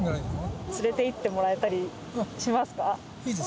連れて行ってもらえたりしますか？